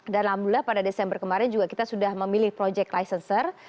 dan alhamdulillah pada desember kemarin juga kita sudah memilih project licenser